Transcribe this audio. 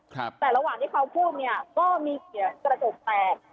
แต่ระหว่างที่เขาพูดก็มีกระจกแตก